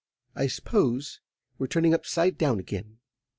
I suppose we're turning upside down again."